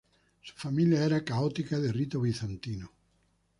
Su familia era católica de rito bizantino.